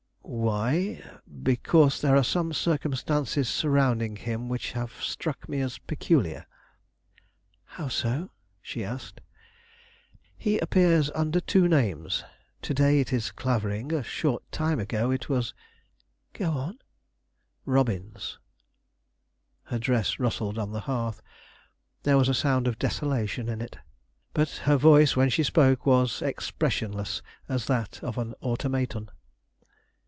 "Why? because there are some circumstances surrounding him which have struck me as peculiar." "How so?" she asked. "He appears under two names. To day it is Clavering; a short time ago it was " "Go on." "Robbins." Her dress rustled on the hearth; there was a sound of desolation in it; but her voice when she spoke was expressionless as that of an automaton.